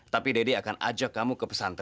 tapi dede akan ajak kamu ke pesantren